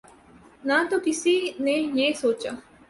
نہ تو کسی نے یہ سوچا